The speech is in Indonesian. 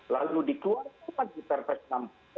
lalu dikeluarkan lagi perpes nama